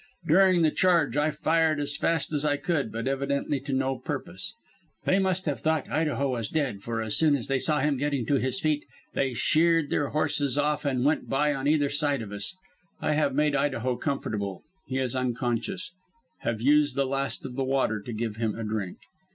During the charge I fired as fast as I could, but evidently to no purpose. They must have thought that Idaho was dead, for as soon as they saw him getting to his feet they sheered their horses off and went by on either side of us. I have made Idaho comfortable. He is unconscious; have used the last of the water to give him a drink.